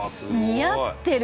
「似合ってる！